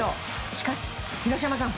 しかし、東山さん